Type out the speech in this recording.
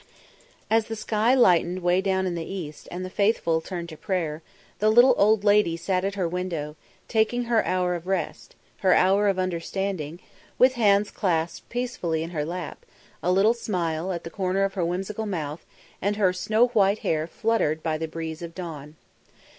As the sky lightened way down in the east and the faithful turned to prayer, the little old lady sat at her window, taking her hour of rest her hour of understanding with hands clasped peacefully in her lap, a little smile at the corner of her whimsical mouth and her snow white hair fluttered by the breeze of dawn.